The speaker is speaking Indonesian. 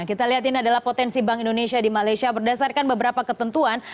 kita lihat ini adalah potensi bank indonesia di malaysia berdasarkan beberapa ketentuan